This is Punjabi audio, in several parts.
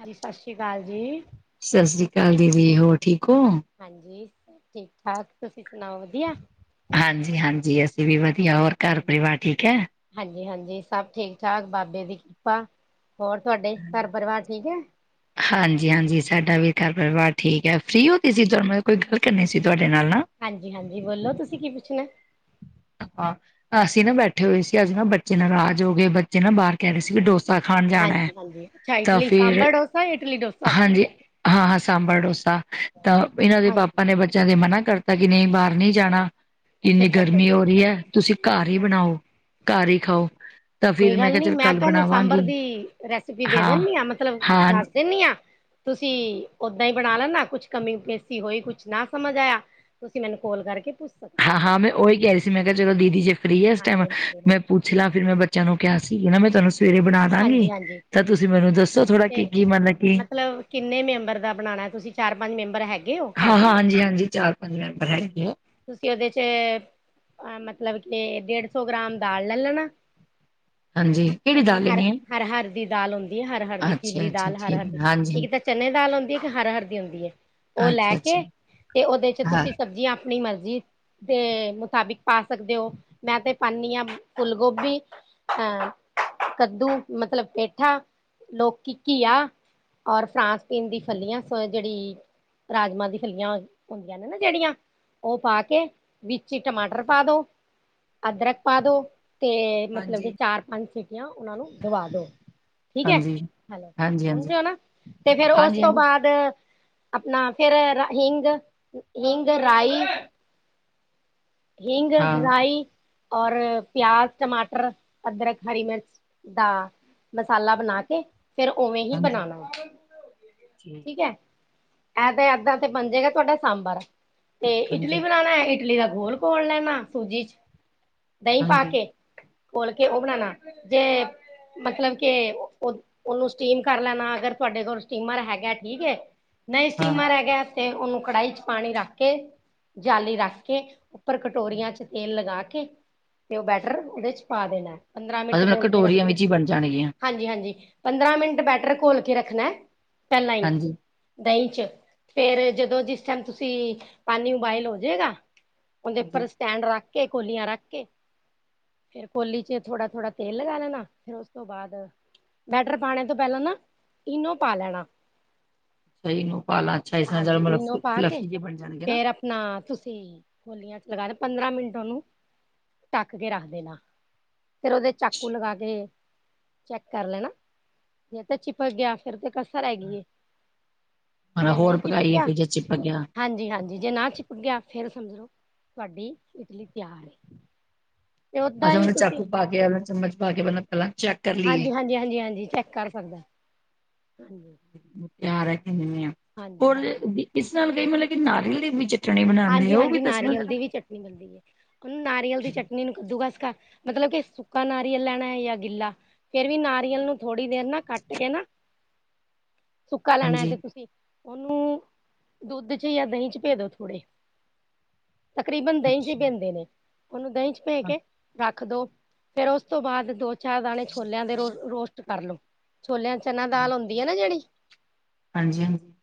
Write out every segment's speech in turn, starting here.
ਹਾਂਜੀ ਸਤਿ ਸ਼੍ਰੀ ਅਕਾਲ ਜੀ। ਸਤਿ ਸ੍ਰੀ ਅਕਾਲ ਦੀਦੀ, ਹੋਰ ਠੀਕ ਹੋ? ਹਾਂਜੀ, ਠੀਕ ਠਾਕ ਤੁਸੀਂ ਸੁਣਾਓ ਵਧੀਆ? ਹਾਂਜੀ-ਹਾਂਜੀ ਅਸੀਂ ਵੀ ਵਧੀਆ, ਹੋਰ ਘਾਰ ਪਰਿਵਾਰ ਠੀਕ ਐ? ਹਾਂਜੀ-ਹਾਂਜੀ ਸਭ ਠੀਕ ਠਾਕ ਬਾਬੇ ਦੀ ਕਿਰਪਾ, ਹੋਰ ਤੁਹਾਡੇ ਘਾਰ ਪਰਿਵਾਰ ਠੀਕ ਹੈ? ਹਾਂਜੀ-ਹਾਂਜੀ ਸਾਡਾ ਵੀ ਘਾਰ ਪਰਿਵਾਰ ਠੀਕ ਹੈ। ਫਰੀ ਹੋ ਦੀਜੀ ਤੁਹਾ ਮੈਂ ਕੋਈ ਗੱਲ ਕਰਨੀ ਸੀ ਤੁਆਡੇ ਨਾਲ ਨਾ? ਹਾਂਜੀ-ਹਾਂਜੀ ਬੋਲੋ ਤੁਸੀਂ ਕੀ ਪੁੱਛਣਾ? ਹਾਂ ਅਸੀਂ ਨਾ ਬੈਠੇ ਹੋਏ ਸੀ, ਅੱਜ ਨਾ ਬੱਚੇ ਨਾਰਾਜ਼ ਹੋ ਗਏ, ਬੱਚੇ ਨਾ ਬਾਹਰ ਕੇਹ ਰਏ ਸੀਗੇ ਡੋਸ ਹਾਂਜੀ-ਹਾਂਜੀ ਅੱਛਾ ਇਟਲੀ ਫਿਰ ਸਾਂਬਰ ਡੋਸਾ ਯਾ ਇਟਲੀ ਡੋਸ ਹਾਂਜੀ ਹਾਂ-ਹਾਂ ਸਾਂਬਰ ਡੋਸਾ ਤਾਂ ਏਹਨਾਂ ਦੇ ਹਾਂਜੀ ਪਾਪਾ ਨੇ ਬੱਚੇਆਂ ਦੇ ਮਨਾ ਕਰ ਤਾਂ ਕਿ ਨਹੀਂ ਬਾਹਰ ਨਹੀਂ ਜਾਣਾ, ਅੱਛਾ ਇੰਨੀ ਅੱਛਾ ਕੋਈ ਗਰਮੀ ਗੱਲ ਹੋ ਰਈ ਹੈ ਤੁਸੀਂ ਘਾਰ ਜੀ ਹੀ ਹਾਂਜੀ। ਬਣਾਓ। ਘਾਰ ਹੀ ਖਾਓ। ਤਾਂ ਫਿਰ ਕੋਈ ਗੱਲ ਕਿਹਾ ਨੀ, ਚੱਲ ਮੈਂ ਕੱਲ ਤੁਹਾਨੂੰ ਸਾਂਬਰ ਬਣਾਵਾਂਗੀ, ਦੀ ਰੈਸਿਪੀ ਦੇ ਹਾਂ, ਦੇਣੀ ਆ ਮਤਲਬ ਹਾਂ, ਦਾਸ ਦੇਣੀ ਆ ਤੁਸੀਂ ਓਦਾਂ ਹੀ ਬਣਾ ਲੈਣਾ, ਕੁਛ ਕਮੀ ਪੇਸੀ ਹੋਈ ਕੁਛ ਨਾ ਸਮਝ ਆਏਆ ਤੁਸੀਂ ਮੈਨੂੰ ਕੋਲ ਕਰਕੇ ਪੁੱਛ ਸਕ ਹਾਂ-ਹਾਂ ਮੈਂ ਓਈ ਕੇਹ ਰਹੀ ਸੀ ਮੈਂ ਕੇਆ ਚਲੋ ਦੀਦੀ ਜੇ ਫ੍ਰੀ ਹੈ ਇਸ ਹਾਂਜੀ ਟੈਮ ਹਾਂਜੀ ਮੈਂ ਹਾਂਜੀ ਪੁੱਛ ਲਾ, ਫਿਰ ਮੈਂ ਬੱਚੇਆਂ ਨੂੰ ਕੇਹਾ ਹਾਂਜੀ ਸੀ ਕਿ ਨਾ ਮੈਂ ਤੁਹਾਨੂੰ ਸਵੇਰੇ ਬਣਾ ਦਾਂਗੀ ਹਾਂਜੀ ਹਾਂਜੀ ਤਾਂ ਤੁਸੀਂ ਮੈਨੂੰ ਦੱਸੋ ਥੋੜਾ ਤੇ ਕੀ-ਕੀ ਮਤਲਬ ਕੀ ਮਤਲਬ ਕਿੰਨੇ ਮੈਂਬਰ ਦਾ ਬਣਾਣਾ ਤੁਸੀਂ? ਚਾਰ ਪਾਂਜ ਮੈਂਬਰ ਹੈ ਹਾਂ-ਹਾਂ, ਹਾਂਜੀ-ਹਾਂਜੀ ਚਾਰ ਪਾਂਜ ਮੈਂਬਰ ਹੈਗੇ ਏ। ਤੁਸੀਂ ਏਹਦੇ ਚੇ ਏਹ ਅ ਮਤਲਬ ਕੇ ਡੇਢ ਸੌ ਗ੍ਰਾਮ ਦਾਲ ਲੈ ਲੈਣਾ ਹਾਂਜੀ ਕਿਹੜੀ ਦਾਲ ਹਰ, ਲੈਣੀ ਹੈ ਹਰ-ਹਰ ਦੀ ਦਾਲ ਹੁੰਦੀ ਹੈ ਹਰ-ਹਰ ਦੀ ਅੱਛਾ ਪੀਲੀ ਅੱਛਾ ਦਾਲ ਠੀਕ ਹਰ-ਹਰ ਹੈ। ਦੀ, ਹਾਂਜੀ ਇੱਕ ਤੇ ਚਨੇ ਦਾਲ ਹੁੰਦੀ ਹੈ ਇੱਕ ਹਰ-ਹਰ ਦੀ ਹੁੰਦੀ ਏ ਉਹ ਹਾਂ, ਲੈ ਅੱਛਾ ਅੱਛਾ ਕੇ ਤੇ ਉਹਦੇ ਚ ਹਾਂ ਤੁਸੀਂ ਸਬਜ਼ੀਆਂ ਅਪਣੀ ਮਰਜ਼ੀ ਦੇ ਮੁਤਾਬਿਕ ਪਾ ਸਕਦੇ ਹੋ। ਮੈਂ ਤੇ ਪਾਣੀ ਆ ਫੁੱਲ ਗੋਭੀ, ਐ ਕੱਦੂ ਮਤਲਬ ਪੇਠਾ, ਲੋਕੀ, ਘੀਆ ਔਰ ਫਰਾਂਸ ਬੀਣ ਦੀ ਫਲੀਆਂ ਸੋਏ ਜੇਅੜੀ ਹਾਂ ਭੇਜੋ, ਕਿਹੜਾ ਟੈਕਸਟ ਠੀਕ ਕਰਨਾ ਹੈ। ਉਹ ਪਾ ਕੇ ਵਿੱਚ ਟਮਾਟਰ ਪਾ ਦਿਓ ਅਦਰਕ ਪਾ ਦਿਓ ਤੇ ਮਤਲਬ ਕਿ ਹਾਂਜੀ ਹਾਂਜੀ ਚਾਰ ਪੰਜ ਸੀਟੀਆਂ ਉਹਨਾਂ ਨੂੰ ਦਵਾ ਦਿਓ। ਠੀਕ ਹੈ ਹਾਂਜੀ ਹਾਂਜੀ ਹੈਲੋਓ ਨਾ ਤੇ ਫੇਿਰ ਉਸ ਤੋਂ ਹਾਂਜੀ ਹਾਂਜੀ ਬਾਅਦ। ਆਪਣਾ ਫੇਰ ਹਿੰਗ ਹਿੰਗ ਰਾਈ ਹਿੰਗ, ਹਾਂ ਰਾਈ ਔਰ ਪਿਆਜ਼, ਟਮਾਟਰ, ਅਦਰਕ, ਹਰੀ ਮਿਰਚ। ਦਾ ਮਸਾਲਾ ਬਣਾ ਕੇ ਫੇਰ ਉਵੇਂ ਹੀ ਹਾਂਜੀ ਬਣਾਣਾ ਠੀਕ ਹੈ। ਇਹ ਤੇ ਇਵੇਂ ਹੀ ਬਣ ਜਾਏਗਾ ਤੁਹਾਡਾ ਸਾਂਬਰ ਤੇ ਇਡਲੀ ਹਾਂਜੀ ਬਣਾਉਣਾ ਹੈ ਇਡਲੀ ਦਾ ਘੋਲ। ਕੋਣ ਲੈਣਾ, ਸੂਜੀ 'ਚ ਦਹੀਂ ਪਾ ਹਾਂਜੀ ਕੇ। ਖੋਲ੍ਹ ਕੇ ਉਹ ਬਣਾਉਣਾ, ਤੇ ਮਤਲਬ ਕਿ ਉਹ। ਉਹਨੂੰ ਸਟ੍ਰੀਮ ਕਰ ਲੈਣਾ, ਅਗਰ ਤੁਹਾਡੇ ਕੋਲ ਸਟੀਮਰ ਹੈਗਾ, ਠੀਕ ਹੈ। ਨਹੀਂ, ਹਾਂ ਸਟੀਮਰ ਹੈਗਾ ਤੇ ਉਹਨੂੰ ਕੜਾਹੀ 'ਚ ਪਾਣੀ ਰੱਖ ਕੇ ਜਾਲੀ ਰੱਖ ਕੇ। ਉੱਪਰ ਕਟੋਰੀਆਂ 'ਚ ਤੇਲ ਲਗਾ ਕੇ ਤੇ ਉਹ ਬੈਟਰ ਉਹਦੇ 'ਚ ਪਾ ਦੇਣਾ। ਪੰਦਰਾਂ ਮਿੰਟ ਮਤਲਬ, ਘੋਲ ਕੇ ਰੱਖ ਕਟੋਰੀਆਂ ਵਿੱਚ ਹੀ ਬਣ ਜਾਣਗੀਆਂ। ਹਾਂਜੀ ਹਾਂਜੀ, ਪੰਦਰਾਂ ਮਿੰਟ ਬੈਟਰ ਕੇਲ ਕੇ ਰੱਖਣਾ ਪਹਿਲਾਂ ਹੀ। ਹਾਂਜੀ ਦਹੀਂ 'ਚ ਫੇਰ ਜਦੋਂ ਜਿਸ ਟਾਈਮ ਤੁਸੀਂ ਪਾਣੀ ਉਬਲ ਜਾਏਗਾ। ਉਹਦੇ ਹਾਂਜੀ ਉੱਪਰ ਸਟੈਂਡ ਰੱਖ ਕੇ ਕਟੋਰੀਆਂ ਰੱਖ ਕੇ। ਕਟੋਰੀ 'ਚ ਥੋੜ੍ਹਾ-ਥੋੜ੍ਹਾ ਤੇਲ ਲਗਾ ਲੈਣਾ, ਫੇਰ ਉਸ ਤੋਂ ਬਾਅਦ। ਬੈਟਰ ਪਾਉਣ ਤੋਂ ਪਹਿਲਾਂ ਨਾ, ਇਨੋ ਪਾ ਲੈਣਾ। ਸਹੀ ਨੂੰ ਪਾਲਾ, ਅੱਛਾ, ਇਸ ਮਤਲਬ ਵੀ ਬਣ ਜਾਣਗੇ ਨਾ। ਨਾ ਤੁਸੀਂ। ਕਟੋਰੀਆਂ 'ਚ ਲਗਾ ਦੇ, ਪੰਦਰਾਂ ਮਿੰਟ ਉਹਨੂੰ ਢੱਕ ਕੇ ਰੱਖ ਦੇਣਾ। ਫੇਰ ਉਹਦੇ 'ਚ ਚਾਕੂ ਲਗਾ ਕੇ ਚੈੱਕ ਕਰ ਲੈਣਾ ਜੇ ਤੇ ਚ। ਪੈ ਗਿਆ ਫਿਰ ਤਾਂ ਕਸ ਰਹਿ ਗਈ, ਜੇ ਮਤਲਬ ਹੋਰ ਨਹੀਂ ਪਕਾਈਏ ਚਿਪਕਿਆ। ਫਿਰ ਜੇ ਚਿਪਕ ਗਿਆ ਹਾਂਜੀ ਹਾਂਜੀ, ਜੇ ਨਾ ਚਿਪਕਿਆ ਫਿਰ ਸਮਝ ਲਓ। ਤੁਹਾਡੀ ਇਡਲੀ ਤਿਆਰ। ਤੇ ਓਦਾਂ ਆਹ, ਹੀ ਉਹਨੂੰ ਤੁਸੀਂ ਚਾਕੂ ਪਾ ਕੇ, ਚਮਚ ਪਾ ਕੇ ਪਹਿਲਾਂ-ਪਹਿਲਾਂ ਚੈੱਕ ਕਰ ਲਈਏ। ਹਾਂਜੀ ਹਾਂਜੀ ਹਾਂਜੀ, ਚੈੱਕ ਕਰ ਸਕਦੇ। ਹਾਂਜੀ। ਪਿਆਰ ਹੈ ਕਿ ਦਿੰਦੇ ਹਾਂ ਹਾਂਜੀ ਹੋਰ, ਹਾਂਜੀ ਇਸ ਨਾਲ ਕੀ ਮਤਲਬ ਕਿ ਨਾਰੀਅਲ ਦੇ ਵਿੱਚ। ਚਣੇ ਬਣਾਉਂਦੇ ਹੋ, ਉਹ ਵੀ ਦੱਸਣਾ ਜ਼ਰਾ। ਨਹੀਂ, ਮਿਲਦੀ ਹੈ। ਉਹਨੂੰ ਨਾਰੀਅਲ ਦੀ ਚਟਨੀ ਨੂੰ ਕੱਦੂਕਸ ਕਰਨਾ, ਮਤਲਬ ਕਿ ਸੁੱਕਾ ਨਾਰੀਅਲ ਲੈਣਾ ਹੈ ਜਾਂ ਗਿੱਲਾ? ਫੇਰ ਵੀ ਨਾਰੀਅਲ ਨੂੰ ਥੋੜ੍ਹੀ ਦੇਰ ਨਾ ਕੱਟ ਕੇ ਨਾ। [inaudible] ਸੁੱਕਾ ਲੈਣਾ ਹੈ ਹਾਂਜੀ ਤੇ ਤੁਸੀਂ ਉਹਨੂੰ ਦੁੱਧ 'ਚ ਜਾਂ ਦਹੀਂ 'ਚ ਭਿਉਂ ਦਿਓ ਥੋੜ੍ਹਾ। ਤਕਰੀਬਨ ਦਹੀਂ 'ਚ ਹੀ ਅੱਛਾ ਪੈਂਦੇ ਨੇ, ਉਹਨੂੰ ਦਹੀਂ 'ਚ ਪਾ ਅੱਛਾ ਕੇ। ਰੱਖ ਦਿਓ, ਫੇਰ ਉਸ ਤੋਂ ਬਾਅਦ ਦੋ-ਚਾਰ ਦਾਣੇ ਛੋਲਿਆਂ ਦੇ ਰੋਸਟ ਕਰ ਲਓ, ਛੋਲਿਆਂ 'ਚ। ਚਣੇ ਦੀ ਦਾਲ ਅੱਛਾ ਆਉਂਦੀ ਆ ਨਾ, ਜਿਹੜੀ? ਹਾਂਜੀ ਹਾਂਜੀ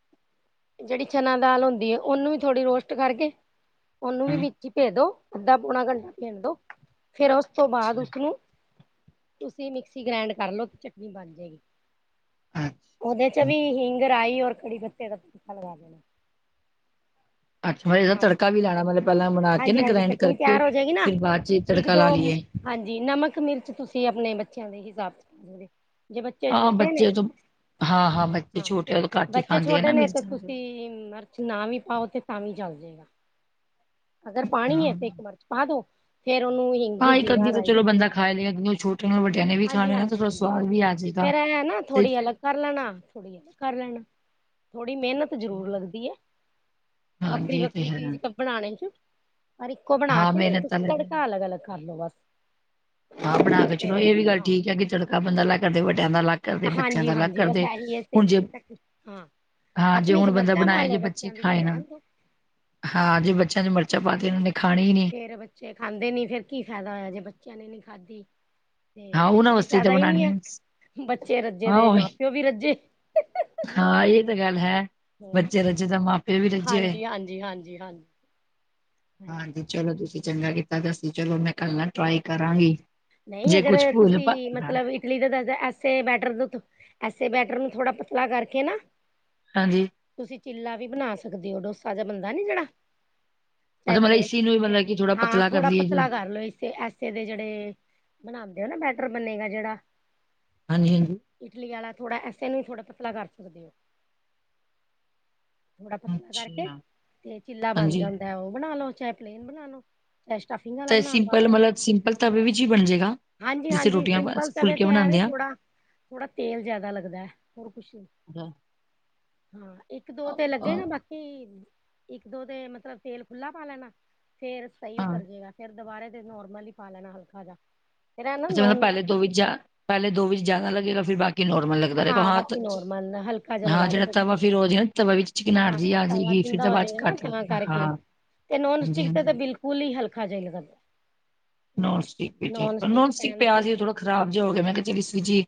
ਜਿਹੜੀ ਚਣੇ ਦੀ ਦਾਲ ਹੁੰਦੀ ਹੈ, ਉਹਨੂੰ ਵੀ ਥੋੜ੍ਹੀ ਰੋਸਟ ਕਰਕੇ ਉਹਨੂੰ ਵੀ ਵਿੱਚ ਹੀ ਭਿਉਂ ਦਿਓ। ਅੱਧਾ-ਪੌਣਾ ਘੰਟਾ ਭਿਉਂਣ ਦਿਓ, ਫੇਰ ਉਸ ਤੋਂ ਬਾਅਦ ਅੱਛਾ ਉਸਨੂੰ। ਤੁਸੀਂ ਮਿਕਸੀ 'ਚ ਗ੍ਰਾਈਂਡ ਕਰ ਲਓ ਕਿ ਚਟਨੀ ਬਣ ਜਾਏਗੀ। ਅੱਛਾ ਉਹਦੇ 'ਚ ਅੱਛਾ ਵੀ ਹਿੰਗ ਪਾ ਦਿਓ, ਔਰ ਕੜੀ ਪੱਤੇ ਦਾ ਪਿੱਤਾ ਲਾ ਦੇਣਾ। ਅੱਛਾ, ਮਤਲਬ ਇਹਦਾ ਹਾਂਜੀ ਤੜਕਾ ਵੀ ਲਾਉਣਾ ਪੈਣਾ? ਮਤਲਬ ਪਹਿਲਾਂ ਬਣਾ ਕੇ ਨਾ, ਹਾਂਜੀ ਹਾਂਜੀ ਗ੍ਰਾਈਂਡ ਚਟਨੀ ਕਰਕੇ, ਤਿਆਰ ਹੋ ਜਾਏਗੀ ਨਾ ਫੇਰ ਬਾਅਦ 'ਚ ਇੱਕ ਤੜਕਾ ਦੋ ਲਾ ਲਈਏ। ਹਾਂਜੀ, ਨਮਕ ਮਿਰਚ ਤੁਸੀ ਆਪਣੇ ਬੱਚਿਆਂ ਦੇ ਹਿਸਾਬ ਚ ਰਖੋਗੇ ਜੇ ਬੱਚੇ ਹਾਂ ਛੋਟੇ ਨੇ। ਬੱਚੇ ਤੋਂ ਹਾਂ ਬੱਚੇ ਹਾਂ ਛੋਟੇ ਘੱਟ ਹੀ ਬੱਚੇ ਖਾਂਦੇ ਆ ਛੋਟੇ ਨਾ ਨੇ ਤੇ ਮਿਰਚ ਵਗੈਰਾ ਤੁਸੀਂ ਮਰ ਨਾ ਵੀ ਪਾਓ ਤੇ ਤਾਂ ਵੀ ਚੱਲ ਜਾਏਗਾ ਅਗਰ ਪਾਣੀ ਹਾਂ ਐ ਤੇ ਇੱਕ ਮਿਰਚ ਪਾ ਦੋ। ਫੇਰ ਉਨੂੰ ਹੀ ਹਾਂਜੀ ਹਾਂ ਇੱਕ ਜੀਰਾ, ਅੱਧੀ ਤਾਂ ਰਾਈ ਦਾ ਚਲੋ ਬੰਦਾ ਤੜਕਾ ਖਾ ਹੀ ਲਏਗਾ ਕਿਉਂਕਿ ਉਹ ਛੋਟੇ ਨੂੰ ਵੱਡਿਆਂ ਨੇ ਵੀ ਹਾਂਜੀ, ਖਾਣੇ ਨਾ ਹਾਂਜੀ, ਤਾਂ ਥੋੜਾ ਹਾਂਜੀ, ਸਵਾਦ ਹਾਂਜੀ ਵੀ ਆ ਜਾਏਗਾ ਫੇਰ ਐ ਨਾ ਤੇ ਥੋੜ੍ਹੀ ਅਲੱਗ ਕਰ ਲੈਣਾ, ਥੋੜ੍ਹੀ ਅਲੱਗ ਕਰ ਲੈਣਾ ਥੋੜੀ ਮਿਹਨਤ ਜੀ ਜ਼ਰੂਰ ਲੱਗਦੀ ਐ। ਵੱਖਰੀ, ਹਾਂਜੀ ਇਹ ਤੇ ਵੱਖਰੀ ਹੈ ਚੀਜ਼ ਬਣਾਣੇ ਚ ਪਰ ਇੱਕੋ ਬਣਾ ਹਾਂ ਕੇ ਨਾ ਮਿਹਨਤ ਤਾਂ ਤੁਸੀਂ ਲੱਗੇ ਤੜਕਾ ਅਲੱਗ ਅਲੱਗ ਕਰ ਲੋ ਬਸ। ਹਾਂ, ਬਣਾ ਕੇ ਚਲੋ ਏ ਵੀ ਗੱਲ ਹਾਂ ਠੀਕ ਐ ਕਿ ਤੜਕਾ ਬੰਦਾ ਲੱਗ ਕਰਦੇ ਵੱਡਿਆਂ ਦਾ ਅਲੱਗ ਕਰਦੇ ਬੱਚਿਆਂ ਹਾਂਜੀ ਦਾ ਅਲੱਗ ਹਾਂਜੀ ਬਸ ਕਰਦੇ। ਹੁਣ ਜੇ ਹਾਂ [unintelligible] ਹਾਂ ਜੇ ਆਪਣੀ ਚ ਹੁਣ ਬੰਦਾ ਮਿਰਚਾਂ ਪਾ ਬਣਾਏ ਜੇ ਲਓ ਬੱਚੇ ਬੱਚਿਆਂ ਦੀ ਚ ਖਾਏ ਨਾ। ਰਹਿਣ ਦੋ ਹਾਂ ਜੇ ਬੱਚਿਆਂ ਨੂੰ ਮਿਰਚਾਂ ਪਾਤੀ ਓਨਾ ਨੇ ਖਾਣੀ ਈ ਨਈ। ਮੇਰੇ ਬੱਚੇ ਖਾਂਦੇ ਨੀ ਫੇਰ ਕੀ ਫਾਇਦਾ ਹੋਇਆ ਜੇ ਬੱਚਿਆਂ ਨੇ ਨੀ ਖਾਧੀ। ਹਾਂ ਤੇ ਉਹਨਾਂ ਕੋਈ ਵਾਸਤੇ ਹੀ ਤਾਂ ਫੈਦਾ ਈ ਨੀ ਬਣਾਉਣੀ ਐ ਆ ਬੱਚੇ ਰੱਜੇ ਹਾਂ ਦੇ ਉਹੀ ਮਾਂ ਪਿਓ ਵੀ ਰੱਜੇ। ਹਾਂ, ਏ ਤੇ ਗੱਲ ਹੈ ਹੋਰ ਬੱਚੇ ਰੱਜੇ ਤਾ ਮਾਂ ਪਿਓ ਵੀ ਰੱਜੇ ਹੋਏ। ਹਾਂਜੀ ਹਾਂਜੀ ਹਾਂਜ ਜੀ ਨਾ ਹਾਂਜੀ, ਚਲੋ ਤੁਸੀਂ ਚੰਗਾ ਕੀਤਾ ਦਸੀ ਚਲੋ ਮੈਂ ਕੱਲ ਨਾ ਹਾਂ ਟਰਾਾਈ ਕਰਾਂਗੀ ਜੇ ਕੁਛ ਭੂਲ ਭਾਲ ਲੀ ਦਾ ਦੱਸਦੈ ਐੇਸੈ ਬੈਟਰ ਨੂੰ, ਐੇਸੈ ਬੈਟਰ ਨੂੰ ਥੋੜਾ ਪਤਲਾ ਕਰਕੇ ਨਾ ਹਾਂਜੀ ਤੁਸੀ ਚਿੱਲਾ ਵੀ ਬਣਾ ਸਕਦੇ ਓ ਡੋਸਾ ਜਿਆ ਬਨਦਾ ਨਈ ਜੇੜਾ। ਚਾਏ ਅੱਛਾ ਮਤਲਬ ਪਲੇਟ ਇਸੀ ਨੂੰ ਹੀ ਮਤਲਬ ਕਿ ਥੋੜਾ ਹਾਂ ਪਤਲਾ ਕਰ ਥੋੜਾ ਲਈਏ ਜੀ ਪਤਲਾ ਕਰ ਲਓ ਇਸ ਤੇ ਐਸੇ ਦੇ ਜਿੜੇ ਬਣਾਂਦੇ ਨਾ ਬੈਟਰ ਬਣੇਗਾ ਜਿੜਾ ਹਾਂਜੀ, ਹਾਂਜੀ ਇਟਲੀ ਆਲਾ ਥੋੜਾ ਐੇਸੇ ਨੂੰ ਈ ਥੋੜਾ ਪਤਲਾ ਕਰ ਸਕਦੇ ਓ। ਥੋੜਾ ਪਤਲਾ ਕਰਕੇ ਅੱਛਾ। ਤੇ ਚਿੱਲਾ ਬਣ ਹਾਂਜੀ ਜਾਂਦਾ ਐ ਓ ਬਣਾ ਲੋ ਚਾਏ ਪਲੇਨ ਬਣਾ ਲੋ। ਚਾਇ ਸਟਫਿੰਗ ਆਲਾ ਬਣਾ ਲੋ। ਪੈਲੇ ਮਲਬ ਸਿੰਪਲ ਤਵੇ ਵਿੱਚ ਈ ਬਣ ਜੇਗਾ ਹਾਂਜੀ ਜਿੱਥੇ ਹਾਂਜੀ ਰੋਟੀਆਂ, ਸਿੰਪਲ ਤਵੇ ਫੁੱਲਕੇ ਤੇ ਬਣਾਂਦੇ ਐਵੇਂ ਆਂ। ਥੋੜਾ ਥੋੜਾ ਤੇਲ ਜਿਆਦਾ ਲੱਗਦਾ ਐ ਹੋਰ ਕੁਛ ਨੀ। ਅ ਹਾਂ, ਇੱਕ ਦੋ ਤੇ ਲੱਗੇ ਅ ਗਾ ਬਾਕੀ ਇੱਕ ਦੋ ਤੇ ਮਤਲਬ ਤੇਲ ਖੁੱਲਾ ਪਾ ਲੈਣਾ ਫੇਰ ਸਈ ਹਾਂ ਉਤਰ ਜੇਗਾ ਫੇਰ। ਦੁਬਾਰਾ ਤੇ ਨੋਰਮਲ ਈ ਪਾ ਲੈਣਾ ਹਲਕਾ ਜਾ। ਫੇਰ ਹੈ ਨਾ ਅੱਛਾ ਮਲਬ ਨੋਨ ਪੈਲੇ ਦੋ ਵਿੱਚ ਜਾ ਪੈਲੇ ਦੋ ਵਿੱਚ ਜਿਆਦਾ ਲੱਗੇਗਾ ਫਿਰ ਬਾਕੀ ਨੋਰਮਲ ਲੱਗੇਗਾ। ਹਾਂ [unintelligible] ਹ ਬਾਕੀ ਨੋਰਮਲ ਹਲਕਾ ਜਾ ਹਾਂ ਲਗਾ ਲੋ ਜਿੜਾ ਤਵਾ ਫਿਰ ਓ ਜੇੜਾ ਤਵਾ ਵਿੱਚ ਚਿਕਨਾਹਟ ਜੀ ਹਾਂ ਆ ਤਵਾ ਜੇਗੀ ਫਿਰ ਥਿੰਦਾ ਤਾ ਹੋ ਬਾਅਦ ਚ ਜਾਏਗਾ ਘੱਟ ਨਾ ਤਾਂ ਦੇਖਨਾ ਕਰਕੇ ਹਾਂ ਤੇ ਨੋਨ ਹਾਂਜੀ ਸਟਿਕ ਤੇ ਤੇ ਹਾਂਜੀ। ਬਿਲਕੁਲ ਹੀ ਹਲਕਾ ਜਿਆਂ ਲਗਾਨ। ਨੋਨਸਟਿਕ ਵਿਚ ਏ ਨੋਨਸਟਿਕ ਪੈਨ ਪਿਆ ਜੇ ਥੋੜਾ ਖਰਾਬ ਜਿਆ ਹੋ ਗਿਆ ਮੈਂ ਕਿਆ ਚੱਲ ਏਸ ਵਿੱਚ ਈ।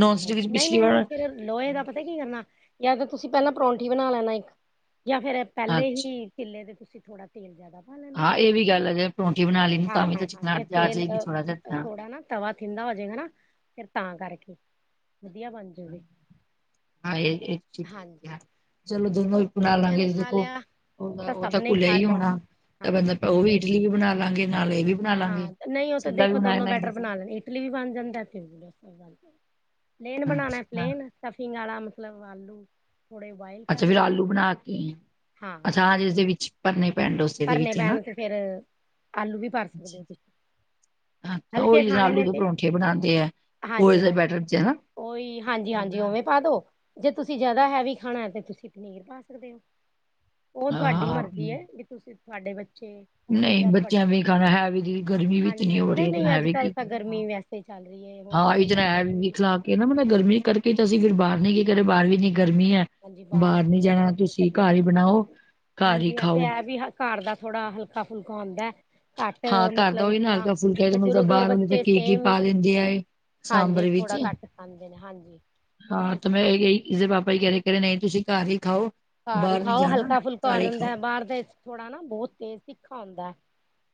ਨੋਨਸਟਿੱਕ ਵਿੱਚ ਪਿਛਲੀ ਵਾਰ ਲੋਏ ਦਾ ਪਤਾ ਕੀ ਕਰਨਾ ਜਾਂ ਤਾਂ ਤੁਸੀਂ ਪੈਲਾਂ ਪਰੌਂਠੀ ਬਣਾ ਲੈਣਾ ਇੱਕ ਜਾਂ ਫੇਰ ਪੈਲੇ ਅੱਛਾ। ਹੀ ਕਿੱਲੇ ਤੇ ਤੁਸੀਂ ਥੋੜਾ ਤੇਲ ਜਿਆਦਾ ਪਾ ਲੈਣਾਂ। ਹਾਂ ਇ ਵੀ ਗੱਲ ਅਗਰ ਜੇ ਪਰੌਂਠੀ ਬਣਾ ਲੀ ਤਾਂ ਵੀ ਤਾਂ ਹਾਂ ਹਾਂ ਤੇ ਚਿਕਨਾਹਟ ਆ ਤੇਲ ਜੇਗੀ ਥੋੜ੍ਹਾ ਅ, ਜੇਆ। ਥੋੜਾ ਨਾ ਤਵਾ ਥਿੰਦਾ ਹੋਜੇਗਾ ਨਾ ਫਿਰ ਤਾਂ ਕਰਕੇ ਵਧੀਆ ਬਣ ਜੂਗੀ। ਹਾਂਏ ਇਕ ਚੀਜ [unintelligible] ਠੀਕ ਹਾਂਜੀ ਆ ਚਲੋ ਦੋਨੋਂ ਈ ਬਣਾ ਬੱਚਿਆਂ ਨੇ ਲਾਂਗੇ ਖਾ ਦੇਖੋ ਲਿਆ ਓਨੇ ਓ ਸਭ ਤਾਂ ਨੇ ਘੁੱਲਿਆ ਖਾ ਈ ਲਿਆ ਹੋਣਾ ਤਾਂ ਬੰਦਾ ਹਾਂਜੀ ਓਵੀ। ਇਡਲੀ ਵੀ ਬਣਾ ਲਾਂਗੇ ਨਾਲ ਏ ਵੀ ਬਣਾ ਲਾਂਗੇ ਹਾਂ, ਨਹੀਂ ਉਹ ਤਾਂ ਚਿੱਲਾ ਵੀ ਦੇਖੋ ਬਣਾ ਦੋਨੋ ਲਾਂਗੇ ਬੈਟਰ ਤੁਸੀਂ। ਬਣਾ ਲੈਣੇ। ਤਲੀ ਵੀ ਬਣ ਜਾਂਦਾ, ਪਲੇਨ ਹਾਂ ਬਣਾਉਣਾ ਹਾਂ। ਪਲੇਨ। ਟਫਿੰਗ ਵਾਲਾ ਮਤਲਬ ਆਲੂ। ਪੂੜੇ ਬਾਈ। ਅੱਛਾ ਫਿਰ ਆਲੂ ਬਣਾ ਕੇ, ਅੱਛਾ ਹਾਂ ਜ ਇਸਦੇ ਵਿੱਚ। ਭਰਨੇ ਪੈਣ ਡੋਸੇ ਦੇ ਭਰਨੇ ਵਿੱਚ ਹਨਾ। ਪੈਣ ਤੇ ਫੇਰ ਆਲੂ ਵੀ ਭਰ ਸਕਦੇ ਹੋ ਤੁਸੀਂ ਅੱਛਾ ਹਲਕੇ ਉਹੀ ਜ ਖਾਣੇ ਆਲੂ ਨੇ ਦੇ ਤੇ ਪਰੋਂਂਠੇ ਬਣਾਉਂਦੇ ਆ। ਉਹ ਹਾਂਜੀ, ਇਸਦਾ ਹਾਂਜੀ, ਬੈਟਰ ਚ ਹਨਾ ਉਹੀ ਹਾਂਜੀ, ਹਾਂਜੀ ਉਵੇਂ ਪਾ ਦੋ। ਜੇ ਤੁਸੀਂ ਜਿਆਦਾ ਹੈਵੀ ਖਾਣਾ ਤੇ ਤੁਸੀਂ ਪਨੀਰ ਪਾ ਸਕਦੇ ਹੋ। ਉਹ ਤੁਹਾਡੀ ਮਰਜ਼ੀ ਹਾਂ ਹੈ ਵੀ ਤੁਸੀਂ ਤੁਹਾਡੇ ਬੱਚੇ। ਨਹੀਂ ਯਾਰ ਤੁਹਾਡੇ। ਹਾਂਜੀ -ਹਾਂਜੀ, ਨਹੀਂ -ਨਹੀਂ ਅੱਜ ਕੱਲ ਤਾਂ ਗਰਮੀ ਵੈਸੇ। ਚੱਲ ਰਹੀ ਹੈ, ਹੋ ਸਕੇ ਤੱਕ। ਵੀ ਖਲਾ ਕੇ ਨਾ ਮਤਲਬ ਗਰਮੀ ਕਰਕੇ ਤਾਂ, ਅਸੀ ਫਿਰ ਬਾਹਰ ਨੀ ਕੀ ਕਰ ਰਹੇ। ਬਾਹਰ ਵੀ ਇੰਨੀ ਗਰਮੀ ਹੈ। ਹਾਂਜੀ, ਬਾਹਰ ਨਹੀਂ ਬਹੁਤ ਜਾਣਾ ਗਰਮੀ ਤੁਸੀਂ ਚਲੇ ਘਰ ਹੀ ਸੀ। ਬਣਾਓ, ਘਰ ਹੀ ਹਾਂਜੀ ਤੇ ਇਥੇ ਖਾਓ। ਹੈ ਵੀ ਆ। ਘਰ ਦਾ ਥੋੜਾ ਹਲਕਾ ਫੁਲਕਾ ਹੁੰਦਾ। ਘੱਟ ਹਾਂ, ਘਰ ਦਾ ਮਤਲਬ ਉਹੀ ਨਾ ਜਿੱਦਾਂ ਹਲਕਾ-ਫੁਲਕਾ ਤੇ ਮਤਲਬ ਬਜ਼ੁਰਗ ਔਰ ਬਾਹਰ ਵਾਲੇ ਤਾਂ ਬੱਚੇ ਕੀ-ਕੀ ਸੇਮ ਹੀ। ਪਾ ਦਿੰਦੇ ਆ ਇਹ ਹਾਂਜੀ ਸਾਂਬਰ ਵਿੱਚ ਥੋੜਾ ਘੱਟ ਖਾਂਦੇ ਨੇ ਹਾਂਜੀ। ਬਸ ਹਾਂ ਇਸ- ਤੇ ਮੈਂ ਇਹ ਦੇ ਪਾਪਾ ਜੀ ਕਹਿ ਰਹੇ ਨੇ ਨਹੀਂ ਤੁਸੀਂ ਘਰ ਹੀ ਖਾਓ। ਘਰ ਹੀ ਬਾਹਰ ਨਹੀਂ ਖਾਓ ਜਾਣਾ, ਹਲਕਾ ਫੁਲਕਾ ਘਰ ਹੋ ਹੀ ਖਾਓ। ਜਾਂਦਾ। ਬਾਹਰ ਦੇ ਥੋੜਾ ਨਾ ਬਹੁਤ ਤੇਜ਼ ਤਿੱਖਾ ਹੁੰਦਾ ਹੈ।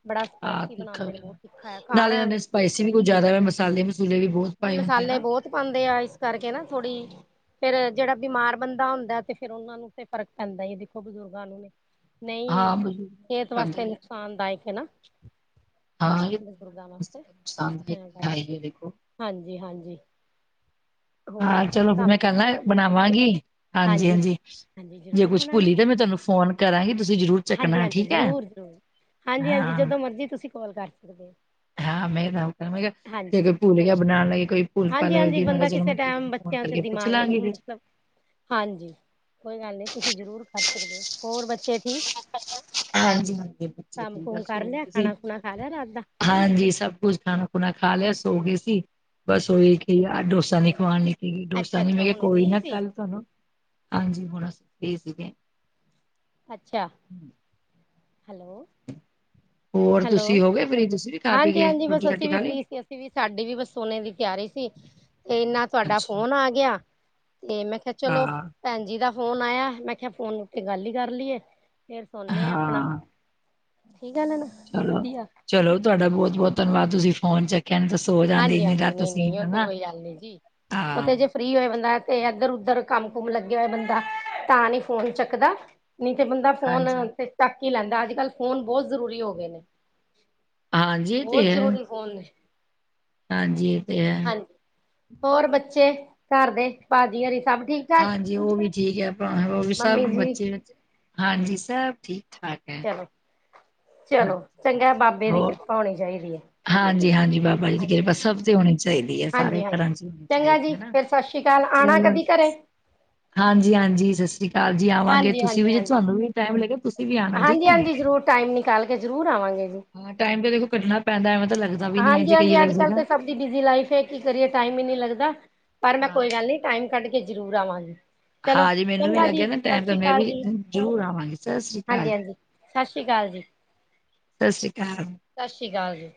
ਬੜਾ ਹਾਂ, ਸਪਾਈਸੀ ਤਿੱਖਾ ਬਣਾਉਂਦੇ ਨੇ ਵੀ ਬਹੁਤ ਤਿੱਖਾ। ਖਾ ਨਾਲੇ ਰਹਾ। ਇਹਨਾਂ ਨੇ ਸਪਾਈਸੀ ਵੀ ਕੁਝ ਜ਼ਿਆਦਾ ਵ ਮਸਾਲੇ ਮਸੂਲੇ ਵੀ ਬਹੁਤ। ਜੀ ਪਾਏ ਹੁੰਦੇ ਆ ਮਸਾਲੇ ਨਾ। ਬਹੁਤ ਪਾਉਂਦੇ ਆ ਇਸ ਕਰਕੇ ਨਾ ਥੋੜੀ ਜ। ਫਿਰ ਜਿਹੜਾ ਬਿਮਾਰ ਬੰਦਾ ਹੁੰਦਾ ਤੇ, ਫਿਰ ਉਹਨਾ ਨੂੰ ਤੇ ਫ਼ਰਕ ਪੈਂਦਾ ਦੇਖੋ ਬਜ਼ੁਰਗਾਂ ਨੂੰ ਨੇ। ਨਹੀਂ ਹਾਂ, ਸਿਹਤ ਖਾਂਦੇ ਵਾਸਤੇ ਹੀ ਆ। ਨੁਕਸਾਨਦਾਇਕ ਹੈ ਨਾ। ਹਾਂ ਇਹ ਬਜ਼ੁਰਗਾਂ ਵਾਸਤੇ ਨੁਕਸਾਨਦਾਇਕ ਤਾਂ ਕਰਕੇ ਹੈ ਦੇਖੋ। ਹਾਂਜੀ, ਹਾਂਜੀ। ਹਾਂ ਹੋਰ ਚਲੋ ਫਿਰ ਕੰਮ ਮੈਂ ਕੱਲ ਨਿਬੜ ਨਾ ਗਿਆ ਬਣਾਵਾਂਗੀ। ਹਾਂਜੀ, ਹਾਂਜੀ। ਹਾਂਜੀ ਜੇ ਜ਼ਰੂਰ ਕੁੱਛ ਬਣਾਉਣਾ ਭੁੱਲੀ ਤਾਂ ਮੈਂ ਤੁਹਾਨੂੰ ਫੋਨ ਕਰਾਂਗੀ, ਤੁਸੀਂ ਜ਼ਰੂਰ। ਹਾਂਜੀ, ਚੱਕਣਾ ਹਾਂਜੀ ਠੀਕ ਹੈ। ਜ਼ਰੂਰ ਹਾਂਜੀ, ਹਾਂਜੀ ਜਦੋਂ ਮਰਜੀ ਤੁਸੀਂ ਕੌਲ ਕਰ ਸਕਦੇ ਹੋ। ਹਾਂ ਮੈਂ ਤਾਂ ਉਹ ਮੈਂ ਕਿਹਾ ਜੇ ਹਾਂਜੀ ਕੋਈ ਭੂਲ ਬਣਾਉਣ ਲੱਗੀ। ਕੋਈ ਭੁੱਲ ਭਾਲ ਹਾਂਜੀ ਹਾਂਜੀ ਹੋਗੀ, ਮੈਂ ਕਿਹਾ ਬੰਦਾ ਚਲੋ। ਕਿਸੇ ਦੀਦੀ ਟਾਈਮ ਨੂੰ ਫੋਨ ਬੱਚਿਆਂ ਚ ਕਰਕੇ ਪੁੱਛ ਦਿਮਾਗ ਲਾਂਗੇ ਫਿਰ। ਮਤਲਬ ਹਾਂਜੀ ਕੋਈ ਗੱਲ ਨਹੀਂ ਤੁਸੀਂ ਜ਼ਰੂਰ ਕਰ ਸਕਦੇ ਹੋ। ਹੋਰ ਬੱਚੇ ਠੀਕ। ਹਾਂਜੀ ਹਾਂਜੀ ਬੱਚੇ ਕੰਮ ਠੀਕ ਆ ਕੁਮ ਸੀ ਕਰ ਲਿਆ ਤੁਸੀਂ। ਖਾਣਾ ਖੁਣਾ ਖਾ ਲਿਆ ਰਾਤ ਦਾ ਹਾਂਜੀ ਸਭ ਕੁਛ ਖਾਣਾ ਖੁਣਾ ਖਾ ਲਿਆ, ਸੋ ਗਏ ਸੀ, ਬਸ ਅੱਛਾ ਉਹੀ ਕਿ ਯਾਰ ਡੋ। ਡੋਸਾ ਨੀ ਹਾਂਜੀ ਖਵਾਉਣ ਲਈ ਸੀਗੀ, ਅੱਛਾ ਡੋਸਾ ਨੀ ਮੈਂ ਅੱਛਾ ਕਿਹਾ ਹੁਣ ਕੋਈ ਫ੍ਰਰੀ ਨਾ ਸੀ ਕੱਲ ਤੁਹਾਨੂੰ ਹਾਂਜੀ ਹੁਣ ਐ ਸੀਗੇ। ਅੱਛਾ! ਹੂੰ। ਹੈਲੋ। ਹੋਰ ਹੈਲੋ ਤੁਸੀਂ ਹੋ ਗਏ ਫਰੀ ਤੁਸੀਂ ਵੀ। ਖਾ ਪੀ ਹਾਂਜੀ ਗਏ ਹਾਂਜੀ ਬਸ ਰੋਟੀ ਅਸੀਂ ਰਾਟੀ ਵੀ ਖਾ ਲਈ ਫ੍ਰੀ ਸੀ, ਅਸੀਂ ਵੀ ਸਾਡੀ ਵੀ ਬਸ ਸੋਨੇ ਦੀ ਤਿਆਰੀ ਸੀ। ਤੇ ਇਨਾਂ। ਤੁਹਾਡਾ ਅੱਛਾ ਫੋਨ ਆ ਗਿਆ ਤੇ ਮੈਂ ਕਿਹਾ ਚਲੋ। ਹਾਂ ਭੈਣਜੀ ਦਾ ਫੋਨ ਆਇਆ ਮੈਂ ਕਿਹਾ ਫੋਨ ਉੱਤੇ ਗੱਲ ਹੀ ਕਰ ਲਈਏ। ਫਿਰ ਸੌਣੇ ਆ ਆਪਣਾ, ਹਾਂ ਠੀਕ ਆ ਨਾ। ਚਲੋ, ਵਧੀਆ ਚਲੋ ਤੁਹਾਡਾ ਬਹੁਤ, ਬਹੁਤ ਧੰਨਵਾਦ ਤੁਸੀਂ ਫੋਨ ਚੱਕਿਆ ਕਹਿਣ ਦੱਸੋ ਸੌਂ ਜਾਂਦੇ ਇੰਨੀ ਹਾਂਜੀ-ਹਾਂਜੀ, ਰਾਤ ਤੁਸੀਂ ਨਹੀਂ-ਨਹੀਂ ਹਨਾ ਹਾਂ। ਫਰੀ ਹੋਏ, ਬੰਦਾ ਤੇ ਇੱਧਰ ਉਧਰ ਕੰਮ ਕੁਮ ਲੱਗੇ ਹੋਏ ਬੰਦਾ, ਤਾਂ ਨੀ ਫੋਨ ਚੱਕਦਾ। ਨਹੀਂ ਤੇ ਬੰਦਾ ਹਾਂਜੀ ਫੋਨ ਤੇ ਚੱਕ ਹੀ ਲੈਂਦਾ। ਅੱਜ-ਕੱਲ ਫੋਨ ਬਹੁਤ ਜ਼ਰੂਰੀ ਹੋ ਗਏ ਨੇ। ਹਾਂਜੀ ਇਹ ਤੇ ਬਹੁਤ ਹੈ ਜ਼ਰੂਰੀ ਫ਼ੋਨ ਦੇ ਹਾਂਜੀ, ਇਹ ਤੇ ਹੈ। ਹਾਂਜੀ ਹੋਰ, ਬੱਚੇ ਘਰ ਦੇ ਭਾਜੀ ਹੋਰੀ ਸਭ ਠੀਕ? ਹਾਂਜੀ, ਉਹ ਵੀ ਠੀਕ ਹੈ। ਆਪ ਉਹ ਵੀ ਮੰਮੀ ਸਭ ਜੀ ਬੱਚੇ ਹਾਂਜੀ, ਸਭ ਠੀਕ ਠਾਕ ਹੈ‌। ਚਲੋ ਚੰਗਾ, ਬਾਬੇ ਦੀ ਕਿਰਪਾ ਹੋਣੀ ਚਾਹੀਦੀ ਹੈ। ਹਾਂਜੀ-ਹਾਂਜੀ, ਬਾਬ ਹਾਂਜੀ-ਹਾਂਜੀ, ਸਭ ਤੇ ਹੋਣੀ ਚਾਹੀਦੀ ਹੈ। ਸਾਰੇ ਹਾਂਜੀ-ਹਾਂਜੀ। ਘਰਾਂ ਚ ਹੋਣੀ ਚੰਗਾ ਚਾਹੀਦੀ ਜੀ ਹੈ। ਫੇਰ ਸਤਿ ਸ੍ਰੀ ਅਕਾਲ ਆਣਾ ਚਲੋ ਕਦੀ ਘਰੇ ਹਾਂਜੀ-ਹਾਂਜੀ, ਸਤਿ ਸ੍ਰੀ ਅਕਾਲ ਜੀ। ਆਵਾਂਗੇ ਤੁਸੀਂ ਵੀ ਹਾਂਜੀ-ਹਾਂਜੀ, ਜੇ ਹਾਂਜੀ। ਤੁਹਾਨੂੰ ਵੀ ਟਾਈਮ ਲੱਗੇ ਤੁਸੀਂ ਵੀ ਆਣਾ ਠੀਕ ਹੈ। ਹਾਂਜੀ-ਹਾਂਜੀ, ਜ਼ਰੂਰ ਟਾਈਮ ਨਿਕਾਲ ਕੇ ਜ਼ਰੂਰ ਆਵਾਂਗੇ ਜੀ। ਹਾਂ, ਟਾਈਮ ਤਾਂ ਦੇਖੋ ਕੱਢਣਾ ਪੈਂਦਾ। ਐਵੇਂ ਤਾਂ ਲੱਗਦਾ ਵੀ ਨੀ ਹੈ ਜੇ ਹਾਂਜੀ-ਹਾਂਜੀ, ਕਹੀਏ ਲੱਗ ਅੱਜ-ਕੱਲ੍ਹ ਜੇਗਾ। ਤੇ ਸਭ ਬਿਜ਼ੀ ਲਾਈਫ ਹੈ। ਕੀ ਕਰੀਏ, ਟਾਈਮ ਹੀ ਨੀ ਲੱਗਦਾ। ਪਰ, ਮੈਂ ਹਾਂ, ਕੋਈ ਗੱਲ ਨ ਟਾਈਮ ਕੱਢ ਕੇ ਜਰੂਰ ਆਵਾਂਗੀ। ਚਲੋ, ਹਾਂ ਜੇ ਮੈਨੂੰ ਵੀ ਚੰਗਾ ਜੀ ਲੱਗਿਆ ਨਾ ਟਾਈਮ ਸਤਿ ਤਾਂ ਸ੍ਰੀ ਮੈਂ ਅਕਾਲ ਵੀ ਜੀ। ਜ਼ਰੂਰ ਆਵਾਂਗੀ, ਸਤਿ ਸ੍ਰੀ ਅਕਾਲ ਜੀ, ਹਾਂਜੀ-ਹਾਂਜੀ। ਸਤਿ ਸ਼੍ਰੀ ਅਕਾਲ ਜੀ। ਸਤਿ ਸ਼੍ਰੀ ਅਕਾਲ। ਸਤਿ ਸ਼੍ਰੀ ਅਕਾਲ ਜੀ।